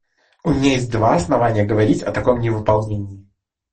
У меня есть два основания говорить о таком невыполнении.